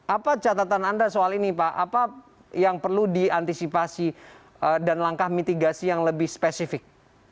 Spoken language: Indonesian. apa catatan anda soal ini pak apa yang perlu diantisipasi dan langkah mitigasi yang lebih spesifik